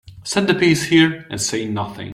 Set the piece here and say nothing.